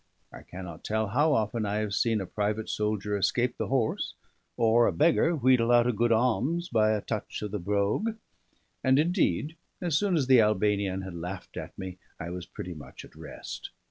I cannot tell how often I have seen a private soldier escape the horse, or a beggar wheedle out a good alms, by a touch of the brogue. And, indeed, as soon as the Albanian had laughed at me I was pretty much at rest.